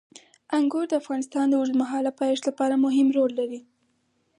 انګور د افغانستان د اوږدمهاله پایښت لپاره مهم رول لري.